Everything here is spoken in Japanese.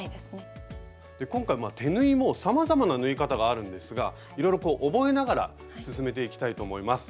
で今回手縫いもさまざまな縫い方があるんですがいろいろこう覚えながら進めていきたいと思います。